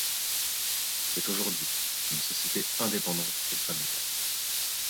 C'est aujourd'hui, une société indépendante et familiale.